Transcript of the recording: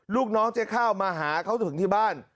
ลูกน้องเจ๊ข้าวมาหาเขาถึงที่บ้าน